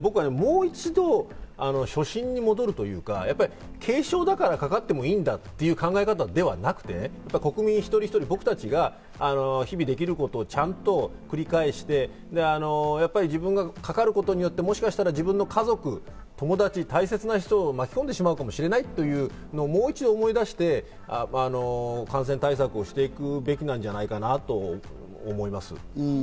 病院に負担かけてしまうことでもあるので、僕はもう一度、初心に戻るというか軽症だからかかってもいいんだという考え方ではなくて、国民一人一人僕たちが日々できることをちゃんと繰り返して、自分がかかることによって、もしかしたら自分の家族、友達、大切な人を巻き込んでしまうかもしれないということをもう一度思い出して、感染対策をしていくべきなんじゃないかなと思います。